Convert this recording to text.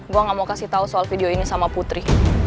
gue gak mau kasih tahu soal video ini sama putri